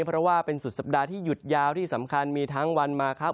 เพราะว่าเป็นสุดสัปดาห์ที่หยุดยาวที่สำคัญมีทั้งวันมาครับ